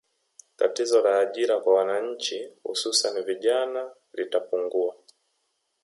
Tatizo la ajira kwa wananchi hususani vijana litapungua